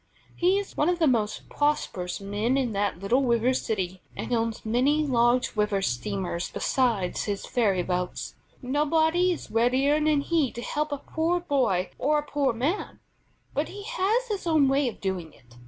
He is one of the most prosperous men in the little river city, and owns many large river steamers besides his ferry boats. Nobody is readier than he to help a poor boy or a poor man; but he has his own way of doing it.